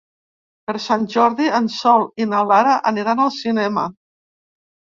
Per Sant Jordi en Sol i na Lara aniran al cinema.